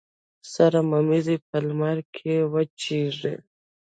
سر ممیز په لمر کې وچیږي.